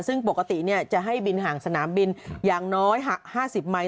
ซึ่งปกติจะให้บินห่างสนามบินอย่างน้อย๕๐ไมค